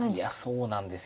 そうなんです